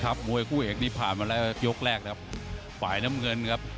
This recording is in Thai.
คับมวยคู่เองผ่านไปแล้วยกแรกฝ่ายน้ำเงินครับ